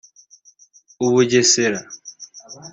u Bugesera